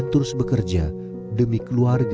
operat biarkannya memandang blapan iets yang datang